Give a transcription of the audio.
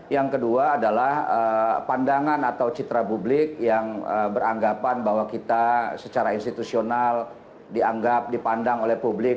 yang kedua adalah pandangan atau citra publik yang beranggapan bahwa kita secara institusional dianggap dipandang oleh publik